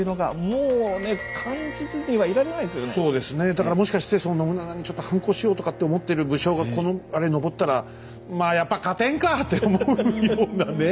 だからもしかしてその信長にちょっと反抗しようとかって思ってる武将がこのあれのぼったらまあやっぱ勝てんかって思うようなね。